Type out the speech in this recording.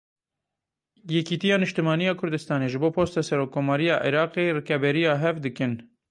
Yêkîtiya Niştimaniya Kurdistanê ji bo posta serokkomariya Iraqê rikeberiya hev dikin.